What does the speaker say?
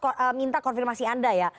mas budi saya mau minta konfirmasi anda ya